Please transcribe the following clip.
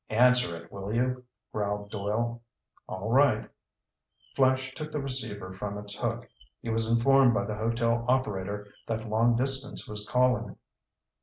"Answer it, will you?" growled Doyle. "All right." Flash took the receiver from its hook. He was informed by the hotel operator that long distance was calling.